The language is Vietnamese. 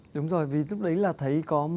đúng rồi vì lúc đấy là thấy có